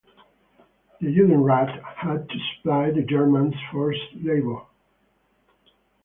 The Judenrat had to supply the Germans forced labor.